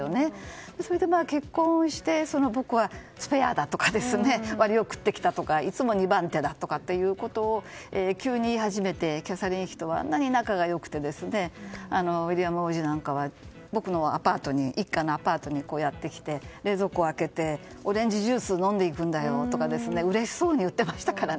それで結婚して僕はスペアだとか割を食ってきただとかいつも２番手だとかいうことを急に言い始めてキャサリン妃とはあんなに仲が良くてウィリアム王子なんかは僕のアパートにやってきて冷蔵庫を開けてオレンジジュースを飲んでいくんだよとか嬉しそうに言っていましたからね